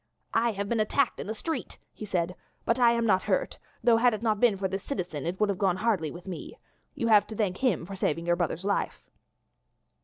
"I have been attacked in the street," he said, "but I am not hurt, though, had it not been for this citizen it would have gone hardly with me. You have to thank him for saving your brother's life."